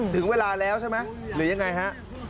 ถึงเวลาแล้วใช่ไหมหรือยังไงฮะ